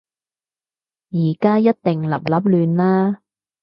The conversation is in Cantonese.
而家一定立立亂啦